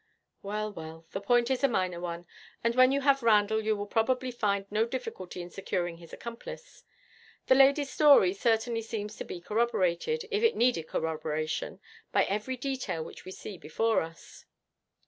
Well, well, the point is a minor one, and when you have Randall you will probably find no difficulty in securing his accomplice. The lady's story certainly seems to be corroborated, if it needed corroboration, by every detail which we see before us.'